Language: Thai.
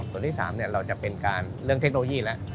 ตัวที่๓เราจะเป็นการเรื่องเทคโนโลยีแล้ว